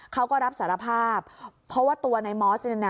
เขาก็รับสารภาพเพราะว่าตัวนายมอส